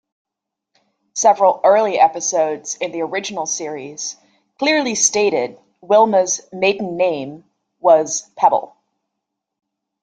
Several early episodes in the original series clearly stated Wilma's maiden name was Pebble.